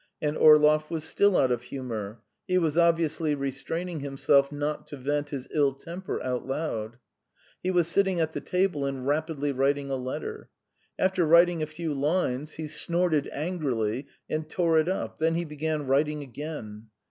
And Orlov was still out of humour; he was obviously restraining himself not to vent his ill temper aloud. He was sitting at the table and rapidly writing a letter. After writing a few lines he snorted angrily and tore it up, then he began writing again.